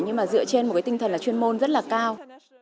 nhưng mà dựa trên một tinh thần chuyên môn rất là cao